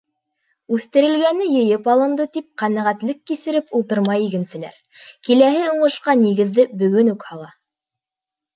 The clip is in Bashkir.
Үҫтерелгәне йыйып алынды тип ҡәнәғәтлек кисереп ултырмай игенселәр, киләһе уңышҡа нигеҙҙе бөгөн үк һала.